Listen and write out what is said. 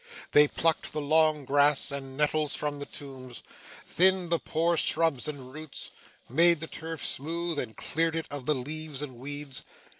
They plucked the long grass and nettles from the tombs, thinned the poor shrubs and roots, made the turf smooth, and cleared it of the leaves and weeds.